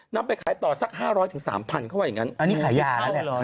น้ำไปขายต่อสัก๕๐๐ถึง๓๐๐๐เข้าไว้อย่างงั้นอันนี้ขายยาละเนี่ย